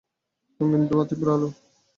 রঙিন ধোয়া, তীব্র আলো।